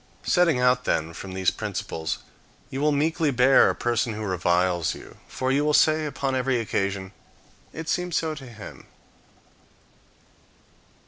Setting out, then, from these principles, you will meekly bear a person who reviles you, for you will say upon every occasion, "It seemed so to him."